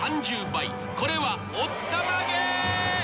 ［これはおったまげ］